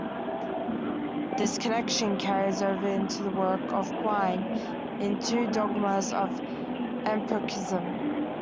This connection carries over into the work of Quine in "Two Dogmas of Empiricism".